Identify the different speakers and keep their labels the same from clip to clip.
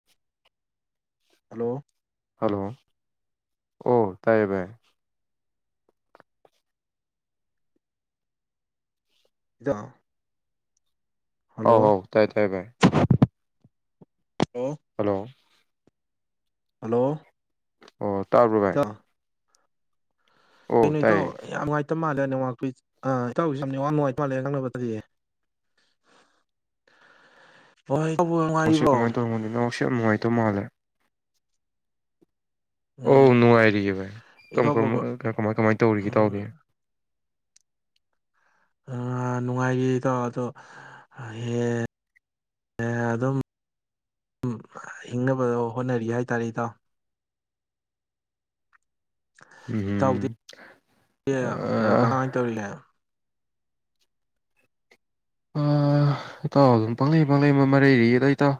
Speaker 1: [inaudible]
Speaker 2: hello
Speaker 1: hello ꯑꯣ ꯇꯥꯏꯌꯦ ꯚꯥꯏ
Speaker 2: ꯗ‌ꯣ
Speaker 1: ꯍꯥꯎ ꯍꯥꯎ ꯇꯥꯏ ꯇꯥꯏ ꯚꯥꯏ
Speaker 2: ꯍꯂꯣ
Speaker 1: ꯍꯜꯂꯣ
Speaker 2: ꯍꯜꯂꯣ
Speaker 1: ꯑꯣ ꯇꯥꯕ꯭ꯔꯣ ꯚꯥꯏ
Speaker 2: ꯏꯇꯥꯎ
Speaker 1: ꯑꯣ
Speaker 2: ꯀꯩꯅꯣ ꯏꯇꯥꯎ
Speaker 1: ꯇꯥꯏꯌꯦ
Speaker 2: ꯌꯥꯝ ꯅꯨꯡꯉꯥꯏꯇ ꯃꯥꯜꯂꯦ ꯅ‌ꯦꯠꯋꯥꯥꯛ ꯏꯇꯥꯎꯁꯨ ꯅ‌ꯦꯠꯋꯥꯛ ꯅꯨꯡꯉꯥꯏꯇ ꯃꯥꯜꯂꯦ ꯅꯛꯅꯕꯗꯗꯤ
Speaker 1: [inaudible]
Speaker 2: ꯍꯣꯏ [inaudible]
Speaker 1: ꯑꯣꯁ ꯀꯃꯥꯏ ꯇꯧꯔꯝꯃꯤꯅ‌ꯣ ꯁꯤ ꯌꯥꯝ ꯅꯨꯡꯉꯥꯏꯇ ꯃꯥꯜꯂꯦ ꯑꯣ
Speaker 2: ꯎꯝ
Speaker 1: ꯅꯨꯡꯉꯥꯏꯔꯤꯌ‌ꯦ ꯚꯥꯏ ꯀꯔꯝ
Speaker 2: ꯏꯇꯥꯎꯕꯨ
Speaker 1: ꯀꯔꯝ ꯀꯃꯥꯏ ꯀꯃꯥꯏ ꯇꯧꯔꯤꯒꯦ ꯏꯇꯥꯎꯗꯤ
Speaker 2: ꯎꯝ ꯑꯥ ꯅꯨꯡꯉꯥꯏꯔꯤꯌ‌ꯦ ꯏꯇꯥꯎ ꯑꯗꯣ ꯍꯌꯦ ꯑꯗꯨꯝ ꯗꯨꯝ ꯍꯤꯡꯅꯕ ꯍꯣꯠꯅꯔꯤ ꯍꯥꯏꯇꯥꯔꯦ ꯏꯇꯥꯎ
Speaker 1: ꯎꯝ
Speaker 2: ꯏꯇꯥꯎꯗꯤ
Speaker 1: ꯑ
Speaker 2: [inaudible] ꯀ ꯀꯃꯥꯏ ꯇꯧꯔꯤꯒꯦ
Speaker 1: ꯑ ꯏꯇꯥꯎ ꯑꯗꯨꯝ ꯄꯪꯂꯩ ꯄꯪꯂꯩ ꯑꯃ ꯃꯔꯩꯔꯤꯗ ꯏꯇꯥꯎ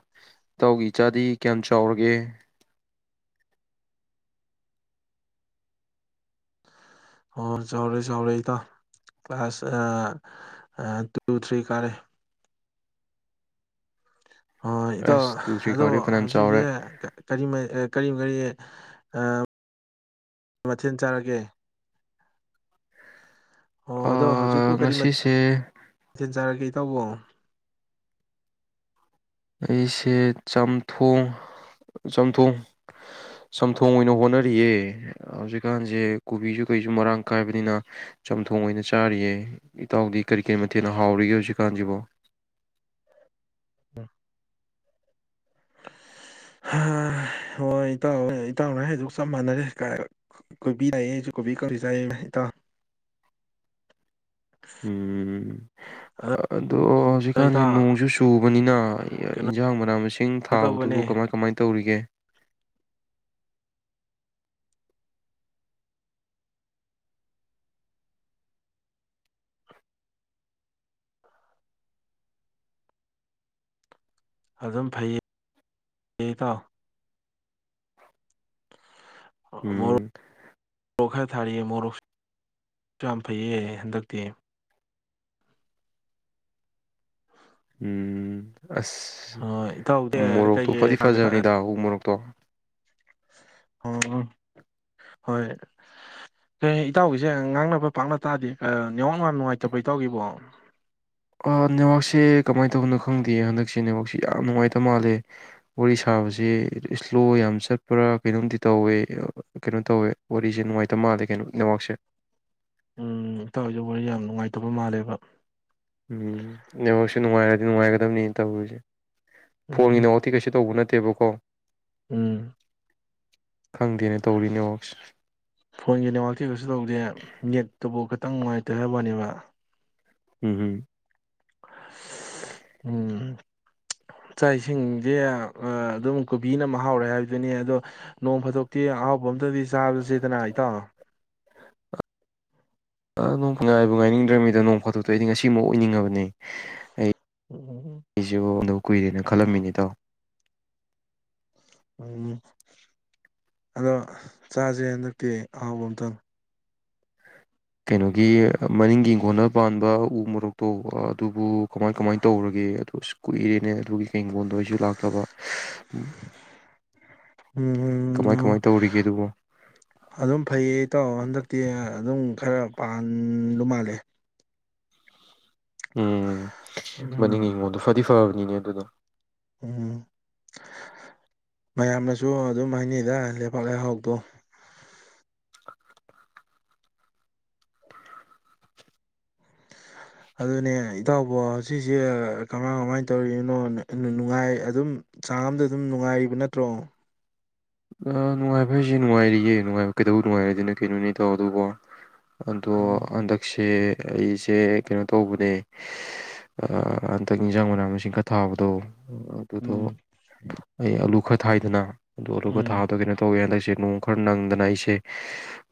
Speaker 1: ꯏꯇꯥꯎꯒꯤ ꯏꯆꯥꯗꯤ ꯀꯌꯥꯝ ꯆꯥꯎꯔꯒꯦ
Speaker 2: ꯍꯣꯏ ꯆꯥꯎꯔꯦ ꯆꯥꯎꯔꯦ ꯏꯇꯥꯎ ꯀ꯭ꯂꯥꯁ ꯇꯨ ꯊ꯭ꯔꯤ ꯀꯥꯔꯦ ꯍ‌ꯣ ꯏꯇꯥꯎ
Speaker 1: ꯑꯁ ꯇꯨ ꯊ꯭ꯔꯤ
Speaker 2: ꯑꯗꯣ
Speaker 1: ꯀꯥꯔꯗꯤ ꯐꯅꯌꯥꯝ ꯆꯥꯎꯔꯦ
Speaker 2: ꯍꯧꯖꯤꯛꯁꯦ ꯀꯔꯤ ꯀꯔꯤ ꯀꯔꯤ ꯑꯥ ꯃꯊꯦꯜ ꯆꯥꯔꯒꯦ ꯑꯣ
Speaker 1: ꯑ
Speaker 2: ꯑꯗꯣ ꯍꯧꯖꯤꯛꯄꯨ ꯀꯔꯤ
Speaker 1: ꯉꯁꯤꯁꯦ
Speaker 2: ꯊ‌ꯦꯜ ꯆꯥꯔꯒꯦ ꯏꯇꯥꯎꯕꯣ
Speaker 1: ꯑꯩꯁꯦ ꯆꯝꯊ‌ꯣꯡ ꯆꯝꯊꯣꯡ ꯆꯝꯊꯣꯡ ꯑꯣꯏꯅ ꯍꯣꯠꯅꯔꯤꯌꯦ ꯍꯧꯖꯤꯛꯀꯥꯟꯁꯦ ꯀꯣꯕꯤꯁꯨ ꯀꯩꯁꯨ ꯃꯔꯥꯡ ꯀꯥꯏꯕꯅꯤꯅ ꯆꯝꯊꯣꯡ ꯑꯣꯏꯅ ꯆꯥꯔꯤꯌꯦ ꯏꯇꯥꯎꯗꯤ ꯀꯔꯤ ꯀꯔꯤ ꯃꯊꯦꯜꯅ ꯍꯥꯎꯔꯤꯒꯦ ꯍꯧꯖꯤꯛꯀꯥꯟꯁꯤꯕꯣ
Speaker 2: ꯑꯝ ꯍꯣꯏ ꯏꯇꯥꯎ ꯏꯇꯥꯎꯅ ꯍꯥꯏꯗꯨꯒ ꯆꯞ ꯃꯥꯟꯅꯔꯦ ꯀꯥꯏ ꯀꯣꯏꯕꯤ ꯂꯩꯌꯦ ꯀꯣꯕꯤ ꯈꯔ꯭ꯗꯤ ꯆꯥꯏꯌ‌ꯦ ꯏꯇꯥꯎ
Speaker 1: ꯎꯝ ꯑꯗꯣ ꯍꯧꯖꯤꯛꯀꯥꯟ
Speaker 2: ꯏꯇꯥꯎ
Speaker 1: ꯅꯣꯡꯁꯨ ꯆꯨꯕꯅꯤꯅ
Speaker 2: ꯀꯩꯅꯣ
Speaker 1: ꯏꯟꯁꯥꯡ ꯃꯅꯥ ꯃꯁꯤꯡ ꯊꯥꯕꯗꯨꯕꯨ
Speaker 2: ꯇꯧꯕꯅꯦ
Speaker 1: ꯀꯃꯥꯏ ꯀꯃꯥꯏꯅ ꯇꯧꯔꯤꯒꯦ
Speaker 2: ꯑꯗꯨꯝ ꯐꯩꯌꯦ ꯏꯇꯥꯎ
Speaker 1: ꯎꯝ
Speaker 2: [unintelligible] ꯃꯣꯔꯣꯛ ꯈꯔ ꯊꯥꯔꯤꯌ‌ꯦ ꯃꯣꯔꯣꯛꯁꯨ ꯌꯥꯝ ꯐꯩꯌꯦ ꯍꯟꯗꯛꯇꯤ
Speaker 1: ꯎꯝ ꯑꯁ
Speaker 2: ꯑꯣ ꯏꯇꯥꯎꯗꯤ
Speaker 1: ꯃꯣꯔꯣꯛꯇꯣ ꯐꯗꯤ
Speaker 2: ꯀꯩꯀꯩ
Speaker 1: ꯐꯖꯕꯅꯤꯗ ꯎ ꯃꯣꯔꯣꯛꯇꯣ
Speaker 2: ꯑ ꯍꯣꯏ ꯍ ꯏꯇꯥꯎꯒꯤꯁꯦ ꯉꯥꯡꯅꯕ ꯄꯥꯛꯅ ꯇꯥꯗꯦ ꯅ‌ꯦꯠꯋꯥꯥꯛ ꯌꯥꯝ ꯅꯨꯡꯉꯥꯏꯇꯥꯕ‌ꯣ ꯏꯇꯥꯎꯒꯤꯕꯣ
Speaker 1: ꯑ ꯅꯦꯠꯋꯥꯛꯁꯦ ꯀꯃꯥꯏꯅ ꯇꯧꯕꯅꯣ ꯈꯪꯗꯦ ꯍꯟꯗꯛꯁꯦ ꯅꯦꯠꯋꯥꯛꯁꯦ ꯌꯥꯝ ꯅꯨꯡꯉꯥꯏꯇ ꯃꯥꯜꯂꯦ ꯋꯥꯔꯤ ꯁꯥꯕꯁꯤ ꯏꯁꯂꯣ ꯌꯥꯝ ꯆꯠꯄ꯭ꯔꯥ ꯀꯩꯅꯣꯝꯗꯤ ꯇꯧꯋꯦ ꯀꯩꯅꯣ ꯇꯧꯋꯦ ꯋꯥꯔꯤꯁꯦ ꯅꯨꯡꯉꯥꯏꯇꯕ ꯃꯥꯜꯂꯦ ꯀꯩꯅꯣ ꯅ‌ꯦꯠꯋꯥꯔ꯭ꯛꯁꯦ
Speaker 2: ꯎꯝ ꯏꯇꯥꯎꯁꯨ ꯋꯥꯔꯤ ꯌꯥꯝ ꯅꯨꯡꯉꯥꯏꯇꯕ ꯃꯥꯜꯂꯦꯕ
Speaker 1: ꯎꯝ ꯅ‌ꯦꯠꯋꯥꯔ꯭ꯛꯁ‌ꯦ ꯅꯨꯡꯉꯥꯏꯔꯗꯤ ꯅꯨꯡꯉꯥꯏꯒꯗꯕꯅꯤꯅ ꯇꯧꯔꯤꯁꯦ ꯐꯣꯟꯒꯤꯗ
Speaker 2: ꯎꯝ
Speaker 1: ꯅ‌ꯦꯠꯋꯥꯔ꯭ꯛ ꯇꯤ ꯀꯩꯁꯨ ꯇꯧꯕ ꯅꯠꯇꯦꯕꯀꯣ
Speaker 2: ꯎꯝ
Speaker 1: ꯈꯪꯗꯦꯅ‌ꯦ ꯇꯧꯔꯤ ꯅꯦꯠꯋꯥꯛꯁꯤ
Speaker 2: ꯐꯣꯟꯒꯤ ꯅꯦꯋꯥꯥꯛꯇꯤ ꯀꯩꯁꯨ ꯇꯧꯗꯦ ꯅꯦꯠꯇꯨꯕꯨ ꯈꯤꯇꯪ ꯅꯨꯡꯉꯥꯏꯇꯦ ꯍꯥꯏꯕꯋꯥꯅꯦꯕ
Speaker 1: ꯎꯝ ꯍꯝ
Speaker 2: ꯎꯝ ꯆꯥꯛ ꯏꯁꯤꯡꯗꯤ ꯑꯗꯨꯝ ꯀꯣꯕꯤꯅ ꯃꯍꯥꯎꯔꯦ ꯍꯥꯏꯕꯗꯨꯅꯤ ꯑꯗꯣ ꯅꯣꯡ ꯐꯥꯗꯣꯛꯇꯤ ꯑꯍꯥꯎꯕ ꯑꯝꯇꯗꯤ ꯆꯥꯁꯤꯗꯅ ꯏꯇꯥꯎ
Speaker 1: ꯑ ꯅꯣꯡ ꯉꯥꯏꯕꯨ ꯉꯥꯏꯅꯤꯡꯗ꯭ꯔꯕꯃꯤꯗ ꯅꯣꯡ ꯐꯥꯇꯣꯛꯇꯣ ꯑꯩꯗꯤ ꯉꯁꯤꯃꯛ ꯑꯣꯏꯅꯤꯡꯉꯕꯅꯤ ꯑꯩ
Speaker 2: ꯎꯝ
Speaker 1: ꯑꯩꯁꯤꯕꯨ ꯑꯗ ꯀꯨꯏꯔꯦꯅ ꯈꯜꯂꯝꯃꯤꯅꯤ ꯏꯇꯥꯎ
Speaker 2: ꯎꯝ ꯑꯗꯣ ꯆꯥꯁꯦ ꯍꯟꯗꯛꯇꯤ ꯑꯍꯥꯎꯕ ꯑꯝꯇꯪ
Speaker 1: ꯀꯩꯅꯣꯒꯤ ꯃꯅꯤꯡꯒꯤ ꯏꯪꯈꯣꯟꯗ ꯄꯥꯟꯕ ꯎ ꯃꯣꯔꯣꯛꯇꯣ ꯑꯗꯨꯕꯨ ꯀꯃꯥꯏ ꯀꯃꯥꯏ ꯇꯧꯔꯒꯦ ꯑꯗꯨ ꯑꯁ ꯀꯨꯏꯔꯦꯅꯦ ꯑꯗꯨꯒꯤ ꯍꯤꯡꯒꯣꯜꯗꯣ ꯑꯩꯁꯨ ꯂꯥꯛꯇꯕ ꯀꯃꯥꯏ
Speaker 2: ꯎꯝ
Speaker 1: ꯀꯃꯥꯏ ꯇꯧꯔꯤꯒꯦ ꯑꯗꯨꯕꯨ
Speaker 2: ꯑꯗꯨꯝ ꯐꯩꯌꯦ ꯏꯇꯥꯎ ꯍꯟꯗꯛꯇꯤ ꯑꯗꯨꯝ ꯈꯔ ꯄꯥꯟꯕ ꯃꯥꯜꯂꯦ
Speaker 1: ꯎꯝ ꯃꯅꯤꯡꯒꯤ
Speaker 2: ꯎꯝ
Speaker 1: ꯍꯤꯡꯒ‌ꯣꯜꯗꯣ ꯐꯗꯤ ꯐꯕꯅꯤꯅꯦ ꯑꯗꯨꯗꯣ
Speaker 2: ꯎꯝ ꯃꯌꯥꯝꯅꯁꯨ ꯑꯗꯨꯝ ꯍꯥꯏꯅꯩꯗ ꯂꯩꯄꯥꯛ ꯂꯩꯍꯥꯎꯗꯣ ꯑꯗꯨꯅꯦ ꯏꯇꯥꯎꯕ‌ꯣ ꯍꯧꯛꯁꯦ ꯀꯃꯥꯏ ꯀꯃꯥꯏꯅ ꯇꯧꯔꯤꯅꯣ ꯅꯨꯡꯉꯥꯏ ꯑꯗꯨꯝ ꯆꯥꯡ ꯑꯝꯗ ꯑꯗꯨꯝ ꯅꯨꯡꯉꯥꯏꯔꯤꯕ ꯅꯠꯇ꯭ꯔꯣ
Speaker 1: ꯅꯨꯡꯉꯥꯏꯕ ꯍꯥꯏꯁꯦ ꯅꯨꯡꯉꯥꯏꯔꯤꯌꯦ ꯅꯨꯡꯉꯥꯏꯕ ꯀꯩꯗꯧꯕ ꯅꯨꯡꯉꯥꯏꯔ‌ꯣꯏꯗꯤꯅ‌ꯣ ꯀꯩꯅꯣꯅꯦ ꯏꯇꯥꯎ ꯑꯗꯨꯕꯨ ꯑꯗꯣ
Speaker 2: ꯎꯝ
Speaker 1: ꯍꯟꯗꯛꯁꯦ ꯑꯩꯁꯦ ꯀꯩꯅꯣ ꯇꯧꯕꯅꯦ ꯍꯟꯗꯛ ꯌꯦꯟꯁꯥꯡ ꯃꯅꯥ ꯃꯁꯤꯡ ꯈꯔ ꯊꯥꯕꯗꯣ ꯑꯗꯨꯗꯣ
Speaker 2: ꯎꯝ
Speaker 1: ꯑꯩ ꯑꯂꯨ ꯈꯔ ꯊꯥꯏꯗꯅ ꯑꯗꯨ ꯑꯂꯨ ꯈ
Speaker 2: ꯎꯝ
Speaker 1: ꯑꯣ ꯀꯩꯅꯣ ꯇꯧꯋꯦ ꯍꯟꯗꯛꯁꯦ ꯅꯣꯡ ꯈꯔ ꯅꯪꯗꯅ ꯑꯩꯁꯦ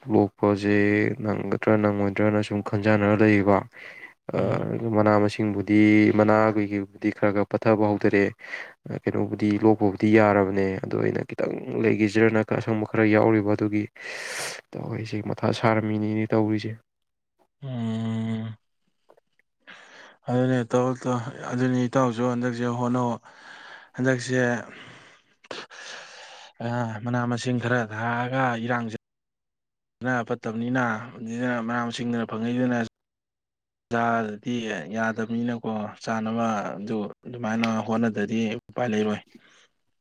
Speaker 1: ꯂꯣꯛꯄꯁꯦ ꯅꯪꯒꯗ꯭ꯔꯥ ꯅꯪꯉꯣꯏꯗ꯭ꯔꯅ ꯁꯨꯝ ꯈꯟꯖꯅꯔ ꯂꯩꯌꯦꯕ
Speaker 2: ꯎꯝ
Speaker 1: ꯑꯗꯨ ꯃꯅꯥ ꯃꯁꯤꯡꯕꯨꯗꯤ ꯃꯅꯥ ꯀꯩ ꯀꯩꯕꯨꯗꯤ ꯈꯔ ꯈꯔ ꯄꯠꯊꯕ ꯍꯧꯗꯔꯛꯑꯦ ꯀꯩꯅꯣꯕꯨꯗꯤ ꯂꯣꯛꯄꯕꯨꯗꯤ ꯌꯥꯔꯕꯅꯦ ꯑꯗꯣ ꯑꯩꯅ ꯈꯤꯇꯪ ꯂꯩꯈꯤꯁꯤꯔꯥ ꯅꯠꯇ꯭ꯔꯒ ꯑꯁꯪꯕ ꯈꯔ ꯌꯥꯎꯔꯤꯕ ꯑꯗꯨꯒꯤ ꯇꯧꯁꯦ ꯃꯊꯥ ꯁꯥꯔꯝꯃꯤꯅꯤꯅꯦ ꯇꯧꯔꯤꯁꯦ
Speaker 2: ꯎꯝ ꯑꯗꯨꯅꯦ ꯇꯧ ꯇꯧ ꯑꯗꯨꯅꯤ ꯏꯇꯥꯎꯁꯨ ꯍꯟꯗꯛꯁꯦ ꯍꯣꯠꯅꯧ ꯍꯟꯗꯛꯁꯦ ꯑ ꯃꯅꯥ ꯃꯁꯤꯡ ꯈꯔ ꯊꯥꯛꯑꯒ ꯏꯔꯥꯡꯁꯤ ꯑꯅꯥ ꯐꯠꯇꯕꯅꯤꯅ ꯑꯗꯨꯅ ꯃꯅꯥ ꯃꯁꯤꯡꯗꯅ ꯐꯪꯉꯛꯏꯗꯅ ꯆꯥꯗꯗꯤ ꯌꯥꯗꯕꯅꯤꯅꯀꯣ ꯆꯥꯅꯕ ꯑꯗꯨ ꯑꯗꯨꯃꯥꯏꯅ ꯍꯣꯠꯅꯗꯗꯤ ꯎꯄꯥꯏ ꯂꯩꯔꯣꯏ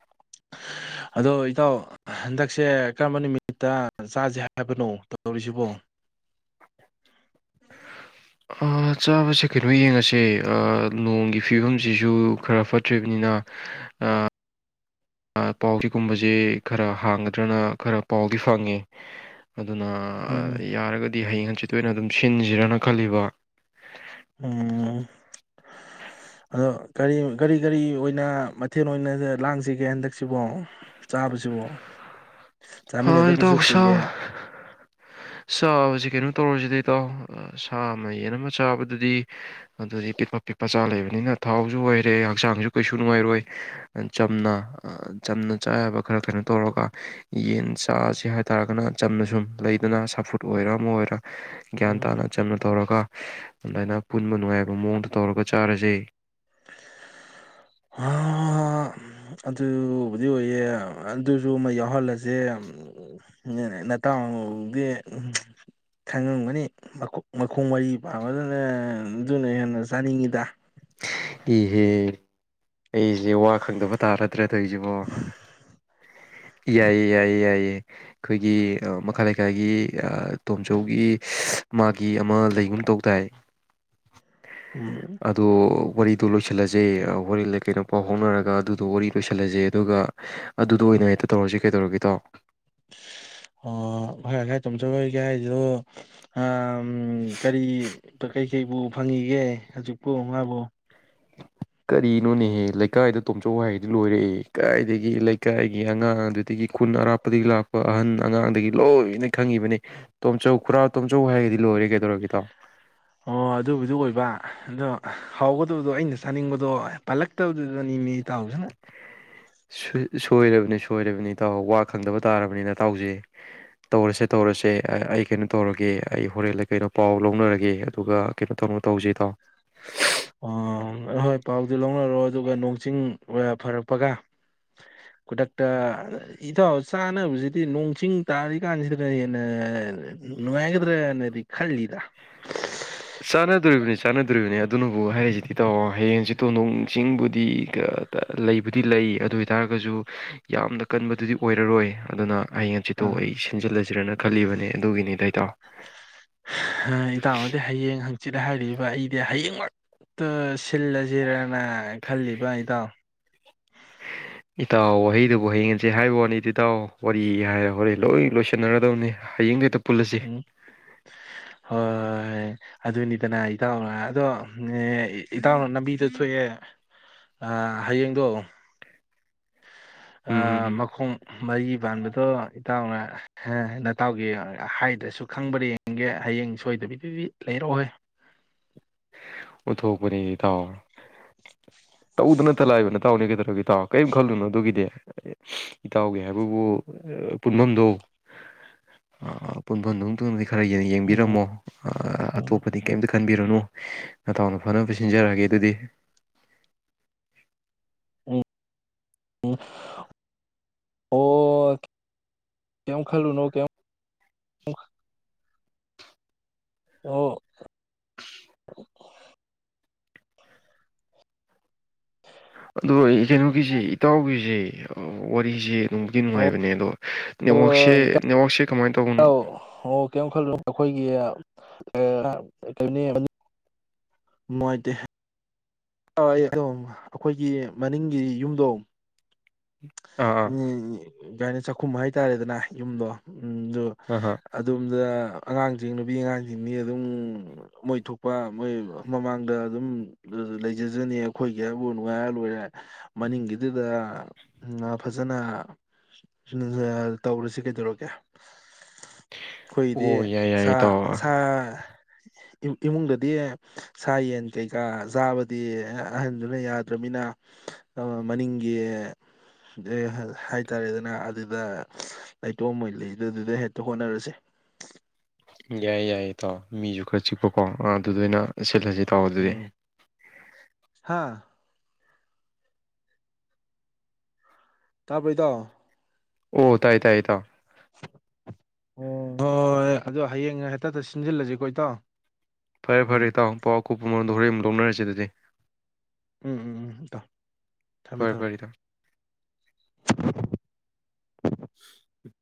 Speaker 1: [inaudible]
Speaker 2: ꯑꯗꯣ ꯏꯇꯥꯎ ꯍꯟꯗꯛꯁꯦ ꯀꯔꯝꯕ ꯅꯨꯃꯤꯠꯇ ꯆꯥꯁꯦ ꯍꯥꯏꯕꯅꯣ ꯇꯧꯔꯤꯁꯤꯕꯣ
Speaker 1: ꯆꯥꯕꯁꯦ ꯀꯩꯅꯣ ꯌꯦꯡꯉꯁꯦ ꯅꯣꯡꯒꯤ ꯐꯤꯕꯝꯁꯤꯁꯨ ꯈꯔ ꯐꯠꯇ꯭ꯔꯤꯕꯅꯤꯅ ꯑ ꯄꯥꯎ ꯆꯒꯨꯝꯕꯕꯁꯤ ꯈꯔ ꯍꯥꯡꯒꯗ꯭ꯔꯅ ꯈꯔ ꯄꯥꯎꯗꯤ ꯐꯪꯉꯦ ꯑꯗꯨꯅ
Speaker 2: ꯎꯝ
Speaker 1: ꯌꯥꯔꯒꯗꯤ ꯍꯌꯦꯡ ꯍꯆꯤꯠꯠꯇꯣꯏꯅ ꯑꯗꯨꯝ ꯁꯤꯟꯁꯤꯔꯅ ꯈꯜꯂꯤꯕ
Speaker 2: ꯎꯝ ꯑꯗꯣ ꯀꯔꯤ ꯀꯔꯤ ꯀꯔꯤ ꯑꯣꯏꯅ ꯃꯊꯦꯜ ꯑꯣꯏꯅ ꯂꯥꯡꯁꯤꯒꯦ ꯍꯟꯗꯛꯁꯤꯕꯣ ꯆꯥꯕꯁꯤꯕꯨ ꯆꯥꯃꯤꯟꯅꯗꯕꯁꯨ ꯀꯨꯏꯔꯦ
Speaker 1: ꯆꯥꯕꯁꯤ ꯀꯩꯅꯣ ꯇꯧꯔꯁꯤꯗꯩ ꯏꯇꯥꯎ ꯁꯥ ꯑꯃ ꯌꯦꯟ ꯑꯃ ꯆꯥꯕꯗꯗꯤ ꯑꯗꯨꯗꯤ ꯄꯤꯛꯄ ꯄꯤꯛꯄ ꯆꯥ ꯂꯩꯕꯅꯤꯅ ꯊꯥꯎꯁꯨ ꯑꯣꯏꯔꯦ ꯍꯛꯆꯥꯡꯁꯨ ꯀꯩꯁꯨ ꯅꯨꯡꯉꯥꯏꯔꯣꯏ ꯆꯝꯅ ꯆꯝꯅ ꯆꯥꯕ ꯈꯔ ꯀꯩꯅꯣ ꯇꯧꯔꯒ ꯌꯦꯟ ꯆꯥꯁꯦ ꯍꯥꯏꯇꯥꯔꯒꯅ ꯆꯝꯅ ꯁꯨꯝ ꯂꯩ ꯑꯗꯨꯅ ꯁꯥꯐꯨꯠ ꯑꯣꯏꯔ ꯑꯃ ꯑꯣꯏꯔ ꯒ꯭ꯌꯥꯟ
Speaker 2: ꯎꯝ
Speaker 1: ꯇꯥꯅ ꯆꯝꯅ ꯇꯧꯔꯒ ꯑꯗꯨꯃꯥꯏꯅ ꯄꯨꯟꯕ ꯅꯨꯡꯉꯥꯏꯕ ꯃꯑꯣꯡꯗ ꯇꯧꯔꯒ ꯆꯥꯔꯁꯦ
Speaker 2: ꯑ ꯑꯗꯨꯕꯨꯗꯤ ꯑꯣꯏꯌꯦ ꯑꯗꯨꯁꯨ ꯑꯃ ꯌꯥꯎꯍꯜꯂꯁꯦ ꯎꯝ ꯅꯠꯇꯥꯎꯗꯤ ꯈꯪꯉꯝꯒꯅꯤ ꯃꯈꯣꯡ ꯃꯔꯤ ꯄꯥꯉꯗꯅ ꯑꯗꯨꯅ ꯍꯦꯟꯅ ꯆꯥꯅꯤꯡꯉꯤꯗ
Speaker 1: ꯏꯍꯦ ꯑꯩꯁꯦ ꯋꯥ ꯈꯪꯗꯕ ꯇꯥꯔꯗ꯭ꯔꯦ ꯇꯧꯁꯤꯕꯣ ꯌꯥꯏꯌꯦ ꯌꯥꯏꯌꯦ ꯌꯥꯏꯌꯦ ꯑꯩꯈꯣꯏꯒꯤ ꯃꯈꯥ ꯂꯩꯀꯥꯏꯒꯤ ꯇꯣꯝꯆꯧꯒꯤ ꯃꯥꯒꯤ ꯑꯃ ꯂꯩꯒꯨꯝ ꯇꯧ ꯇꯥꯏ
Speaker 2: ꯎꯝ
Speaker 1: ꯑꯗꯣ ꯋꯥꯔꯤꯗꯣ ꯂꯣꯏꯁꯤꯜꯂꯁꯦ ꯀꯩꯅꯣ ꯄꯥꯎ ꯐꯥꯎꯅꯔꯒ ꯑꯗꯨꯗꯣ ꯋꯥꯔꯤ ꯂꯣꯏꯁꯤꯜꯂꯁꯦ ꯑꯗꯨꯒ ꯑꯗꯨꯗ ꯑꯣꯏꯅ ꯍꯦꯛꯇ ꯇꯧꯔꯁꯤ ꯀꯩꯗꯧꯔꯒꯦꯗꯣ
Speaker 2: ꯑꯣ ꯍꯣꯏ ꯑꯩꯈꯣꯏ ꯇꯨꯝꯖꯔꯣꯏꯒꯦ ꯍꯥꯏꯁꯤꯗꯣ ꯀꯔꯤ ꯀꯩꯀꯩꯕꯨ ꯐꯪꯉꯒꯦ ꯍꯧꯖꯤꯛꯄꯨ ꯃꯥꯕꯨ
Speaker 1: ꯀꯔꯤꯅꯣꯅꯦꯍꯦ ꯂꯩꯀꯥꯏꯗ ꯇꯣꯝꯆꯧ ꯍꯥꯏꯗꯤ ꯂꯣꯏꯔꯛꯑꯦ ꯀꯥꯏꯗꯒꯤ ꯂꯩꯀꯥꯏꯒꯤ ꯑꯉꯥꯡ ꯑꯗꯨꯗꯒꯤ ꯈꯨꯟ ꯑꯔꯥꯞ ꯗꯒꯤ ꯂꯥꯛꯄ ꯑꯍꯟ ꯑꯉꯥꯡꯗꯒꯤ ꯂꯣꯏꯅ ꯈꯪꯉꯤꯕꯅꯤ ꯇꯣꯝꯆꯧ ꯈꯨꯔꯥꯎ ꯇꯣꯝꯆꯧ ꯍꯥꯏꯒꯗꯤ ꯂꯣꯏꯔꯦ ꯀꯩꯗꯧꯒꯦ ꯇꯥꯣ
Speaker 2: ꯑꯣ ꯑꯗꯨꯕꯨꯗꯨ ꯑꯣꯏꯕ ꯑꯗꯣ ꯍꯥꯎꯒꯗꯕꯗꯣ ꯑꯩꯅ ꯆꯥꯅꯤꯡꯕꯗꯣ ꯄꯥꯂꯛ ꯇꯧꯗꯗꯅꯅꯤ ꯃꯤ ꯇꯥꯎꯁꯤꯅ
Speaker 1: ꯁꯣꯏꯔꯕꯅꯤ ꯁꯣꯏꯔꯕꯅꯤ ꯇꯥꯎ ꯋꯥ ꯈꯪꯗꯕ ꯇꯥꯔꯕꯅꯤꯅ ꯇꯥꯎꯁꯦ ꯇꯧꯔꯁꯦ ꯇꯧꯔꯁꯦ ꯑꯩ ꯀꯩꯅꯣ ꯇꯧꯔꯒꯦ ꯑꯩ ꯍꯣꯔꯦꯟꯗ ꯀꯩꯅꯣ ꯄꯥꯎ ꯂꯧꯅꯔꯒꯦ ꯑꯗꯨꯒ ꯀꯩꯅꯣ ꯇꯧꯅꯣ ꯇꯧꯖꯩ ꯇꯣ
Speaker 2: ꯑꯣ ꯑꯩꯣꯏ ꯄꯥꯎꯗꯨ ꯂꯧꯅꯔꯣ ꯑꯗꯨꯒ ꯅꯣꯡ ꯆꯤꯡ ꯐꯔꯛꯄꯒ
Speaker 1: [inaudible]
Speaker 2: ꯈꯨꯗꯛꯇ ꯏꯊꯧꯥꯎ ꯆꯥꯅꯕꯁꯤꯗꯤ ꯅꯣꯡ ꯆꯤꯡ ꯇꯥꯔꯤ ꯀꯥꯟꯁꯤꯗꯅ ꯍꯦꯟꯅ ꯅ ꯍꯒꯗ꯭ꯔꯦ ꯅꯗꯤꯛ ꯈꯂꯤꯗ
Speaker 1: ꯆꯥꯟꯅꯗꯣꯔꯤꯕꯅꯤ ꯆꯥꯟꯅꯗꯣꯔꯤꯕꯅꯤ ꯑꯗꯨꯅꯕꯨ ꯍꯥꯏꯔꯤꯁꯤꯗꯤ ꯇꯥꯑꯣ ꯍꯌꯦꯡꯁꯤ ꯇꯣꯟꯗꯣꯡꯁꯤꯡꯕꯨꯗꯤ ꯇ ꯂꯩꯕꯨꯗꯤ ꯂꯩ ꯑꯗꯨ ꯑꯣꯏꯇꯥꯔꯒꯁꯨ ꯌꯥꯝꯅ ꯀꯟꯕꯗꯨꯗꯤ ꯑꯣꯏꯔꯔꯣꯏ ꯑꯗꯨꯅ ꯑꯩ ꯉꯡꯆꯤꯠꯇꯨ
Speaker 2: ꯑꯥ
Speaker 1: ꯑꯩ ꯁꯤꯟꯖꯤꯜꯂꯁꯤꯔꯅ ꯈꯜꯂꯤꯕꯅꯦ ꯑꯗꯨꯒꯤꯅꯤꯗꯥꯏꯇꯣ
Speaker 2: ꯏꯇꯥꯡꯅꯗꯤ ꯍꯌꯦꯡ ꯍꯪꯆꯤꯠ ꯍꯥꯏꯔꯤꯕ ꯑꯩꯗꯤ ꯍꯌꯦꯡꯃꯛꯇ ꯁꯤꯜꯂ ꯖꯤꯔꯅ ꯈꯜꯂꯤꯕ ꯏꯇꯥꯎ
Speaker 1: [inaudible] ꯏꯇꯥꯎ ꯋꯥꯍꯩꯗꯨꯕꯨ ꯍꯌꯦꯡꯁꯦ ꯍꯥꯏꯕ ꯋꯥꯅꯤꯗꯤ ꯏꯇꯥꯎ ꯋꯥꯔꯤ ꯍꯥꯏꯔ ꯍꯣꯔꯦꯟ ꯂꯣꯏ ꯂꯣꯏꯁꯤꯟꯅꯔꯗꯧꯅꯤ ꯍꯌꯦꯡꯗ ꯍꯦꯛꯇ ꯄꯨꯜꯂꯁꯤ
Speaker 2: ꯎꯝ ꯍꯣꯏ ꯑꯗꯨꯅꯤꯗꯅ ꯏꯇꯥꯎꯅ ꯑꯗꯣ ꯏꯇꯥꯎꯅ ꯂꯝꯕꯤꯗ ꯊꯣꯛꯑꯦ ꯑꯥ ꯍꯌꯦꯡꯗꯣ ꯑꯥ
Speaker 1: ꯎꯝ
Speaker 2: ꯃꯈꯣꯡ ꯃꯔꯤ ꯄꯥꯟꯕꯗꯣ ꯏꯇꯥꯎꯅ ꯅꯇꯥꯎꯒꯤ ꯍꯥꯏꯗ꯭ꯔꯁꯨ ꯈꯪꯕꯅꯤ ꯌꯦꯒꯦ ꯍꯌꯦꯡ ꯁꯣꯏꯗꯕꯤ ꯄꯤꯕꯤ ꯂꯩꯔꯛꯍꯣꯏ
Speaker 1: ꯎꯠꯊꯣꯛꯄꯅꯦ ꯏꯇꯥꯎ ꯇꯧꯗ ꯅꯠꯇ ꯂꯥꯛꯏꯕ ꯅꯇꯥꯎꯅꯤ ꯀꯩꯗꯧꯔꯒꯦ ꯇꯥꯎ ꯀꯔꯤꯝ ꯈꯜꯂꯨꯅꯣ ꯑꯗꯨꯒꯤꯗꯤ ꯏꯇꯥꯎꯒꯤ ꯍꯥꯏꯕꯕꯨ ꯄꯨꯟꯕꯝꯗꯣ ꯄꯨꯟꯐꯝꯗꯨꯗꯤ ꯈꯔ ꯌꯦꯡ ꯌꯦꯡꯕꯤꯔꯝꯃꯣ ꯑꯇꯣꯞꯄꯗꯤ ꯀꯩꯝꯇ ꯈꯟꯕꯤꯔꯨꯅꯨ ꯅꯇꯥꯎꯅ ꯐꯅꯕ ꯁꯤꯟꯖꯔꯛꯑꯒꯦ ꯑꯗꯨꯗꯤ
Speaker 2: ꯎꯝ ꯎꯝ ꯑꯣ ꯀꯩꯝ ꯈꯜꯂꯨꯅꯨ ꯀꯩꯝ ꯑꯣ [inaudible]
Speaker 1: ꯑꯗꯣ ꯑꯩ ꯀꯩꯅꯣꯒꯤꯁꯦ ꯏꯇꯥꯎꯒꯤꯁꯦ ꯋꯥꯔꯤꯁꯦ ꯅꯨꯡꯕꯨꯗꯤ
Speaker 2: ꯑꯣ
Speaker 1: ꯅꯨꯡꯉꯥꯏꯕꯅꯦ ꯑꯗꯣ ꯅꯦꯋꯥꯛꯁꯦ ꯅꯦꯋꯥꯛꯁꯦ
Speaker 2: ꯇꯥꯎ ꯑꯣ ꯀꯩꯝ ꯈꯜꯂꯨ ꯑꯩꯈꯣꯏꯒꯤ [unintelligible] ꯃꯨꯋꯥꯏꯇꯦ ꯑꯥ ꯑꯩ ꯑꯗꯨꯝ ꯑꯩꯈꯣꯏꯒꯤ ꯃꯅꯤꯡꯒꯤ ꯌꯨꯝꯗꯣ
Speaker 1: ꯑꯥ
Speaker 2: ꯎꯝ ꯀꯩ ꯍꯥꯏꯅꯤ ꯆꯥꯛꯈꯨꯝ ꯍꯥꯏꯇꯥꯔꯦꯗꯅ ꯌꯨꯝꯗꯣ ꯎꯝ ꯑꯗꯨ
Speaker 1: ꯑꯥ ꯑꯥ
Speaker 2: ꯑꯗꯣꯝꯗ ꯑꯉꯥꯡꯁꯤꯡ ꯅꯨꯄꯤ ꯑꯉꯥꯡꯁꯤꯡꯗꯤ ꯑꯗꯨꯝ ꯃꯣꯏ ꯊꯣꯛꯄ ꯃꯣꯏ ꯃꯃꯥꯡꯗ ꯑꯗꯨꯝ ꯂꯩ ꯖꯅꯤ ꯑꯩꯈꯣꯏꯒꯤ ꯍꯥꯏꯕꯨ ꯅꯨꯡꯉꯥꯏꯔ ꯂꯣꯏꯔꯦ ꯃꯅꯤꯡꯒꯤꯗꯨꯗ ꯎꯝ ꯐꯖꯅ ꯇꯧꯔꯁꯤ ꯀꯩꯗꯧꯔꯒꯦ ꯑꯩꯈꯣꯏꯗꯤ
Speaker 1: ꯑꯣ ꯌꯥꯏ
Speaker 2: ꯁꯥ
Speaker 1: ꯌꯥꯏ ꯏꯇꯥꯎ
Speaker 2: ꯁꯥ ꯏꯃꯨꯡꯗꯗꯤ ꯁꯥ ꯌꯦꯟ ꯀꯩꯀꯥ ꯆꯥꯕ ꯗꯤ ꯑꯍꯟꯗꯨꯅ ꯌꯥꯗ꯭ꯔꯃꯤꯅ ꯑꯥ ꯃꯅꯤꯡꯒꯤ ꯍꯥꯏꯇꯥꯔꯦꯗꯅ ꯑꯗꯨꯗ ꯂꯩꯇꯣꯝ ꯃꯣꯏ ꯂꯩꯗꯗꯨꯗ ꯍꯦꯛꯇ ꯍꯣꯠꯅꯔꯁꯦ
Speaker 1: ꯌꯥꯏꯌꯦ ꯌꯥꯏꯌꯦ ꯇꯥꯎ ꯃꯤꯁꯨ ꯈꯔ ꯆꯤꯛꯄꯀꯣ ꯑꯥ ꯑꯗꯨꯗ ꯑꯣꯏꯅ ꯁꯤꯠꯂꯁꯤ ꯏꯇꯥꯎ ꯑꯗꯨꯗꯤ
Speaker 2: ꯍꯥꯥ ꯇꯥꯕ꯭ꯔꯣ ꯏꯇꯥꯎ
Speaker 1: ꯑꯣ ꯇꯥꯏ ꯇꯥꯏ ꯏꯇꯥꯎ
Speaker 2: ꯑꯣ ꯍꯣꯏ ꯑꯗꯣ ꯍꯌꯦꯡ ꯍꯦꯛꯇꯥꯇ ꯁꯤꯟꯖꯤꯜꯂꯁꯤ ꯀꯣ ꯏꯇꯥꯎ
Speaker 1: ꯐꯔꯦ ꯐꯔꯦ
Speaker 2: ꯎꯝ
Speaker 1: ꯇꯥꯎ ꯄꯥꯎ ꯑꯀꯨꯞꯄ ꯃꯔꯣꯜꯗꯣ ꯍꯣꯔꯦꯟ ꯑꯃꯨꯛ ꯂꯧꯅꯔꯁꯤ ꯑꯗꯨꯗꯤ
Speaker 2: ꯎꯝ ꯎꯝ ꯎꯝ ꯏꯇꯥꯎ ꯊꯝꯃꯦ
Speaker 1: ꯐꯔꯦ
Speaker 2: ꯊꯝꯃꯦ
Speaker 1: ꯐꯔꯦ ꯏꯇꯥꯎ [inaudible]